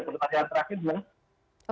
pertanyaan terakhir dulu